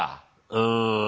うん。